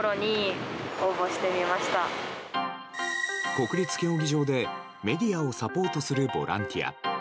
国立競技場でメディアをサポートするボランティア。